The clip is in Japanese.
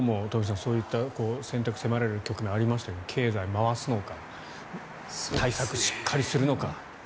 そういった選択が迫られる局面がありましたが経済を回すのか対策をしっかりするのかという。